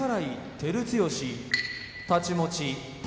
照強太刀持ち宝